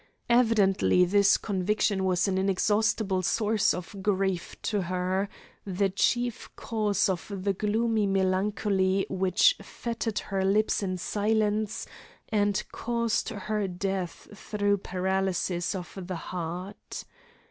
Evidently this conviction was an inexhaustible source of grief to her, the chief cause of the gloomy melancholy which fettered her lips in silence and caused her death through paralysis of the heart.